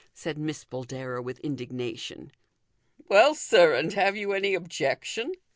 " said Miss Boldero with indignation. " Well, sir, and have you any objection